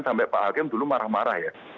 sampai pak hakim dulu marah marah ya